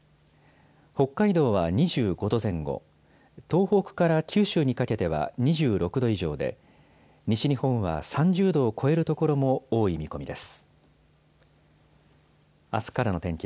北海道は２５度前後、東北から九州にかけては２６度以上で、西日本は３０度を超える所も多い見込みです。